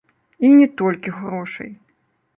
І не толькі грошай.